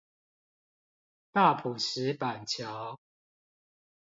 大埔石板橋